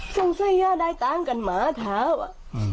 สงสัยย่าได้ตามกันหมาท้าวะ